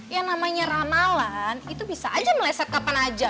yang namanya ramalan itu bisa aja meleset kapan aja